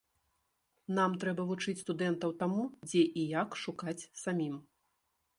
Нам трэба вучыць студэнтаў таму, дзе і як шукаць самім.